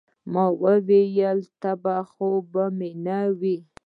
ما وويل يه تبه خو مې نه وه.